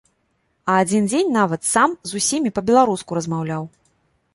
А адзін дзень нават сам з усімі па-беларуску размаўляў.